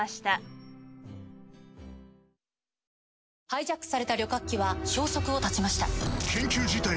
ハイジャックされた旅客機は消息を絶ちました。